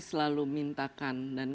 selalu mintakan dan